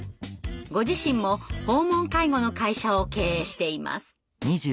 ご自身も訪問介護の会社を経営しています。